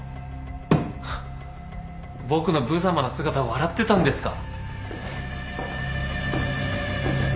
ハッ僕のぶざまな姿を笑ってたんですか？